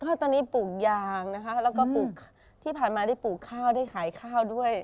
ก็ตอนนี้ปลูกยางนะคะแล้วก็ปลูกที่ผ่านมาได้ปลูกข้าวได้ขายข้าวด้วย